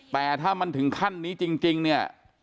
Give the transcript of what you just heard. แต่ถ้ามันถึงขั้นนี้จริงเนี่ย